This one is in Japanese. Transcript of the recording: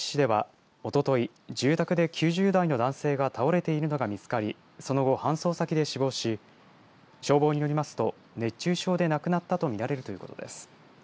白石市ではおととい住宅で９０代の男性が倒れているのが見つかりその後、搬送先で死亡し消防によりますと熱中症で亡くなったと見られるということです。